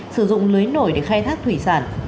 sử dụng lưới nổi để khai thác thủy sản